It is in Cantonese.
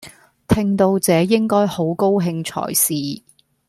聽到這應該好高興才是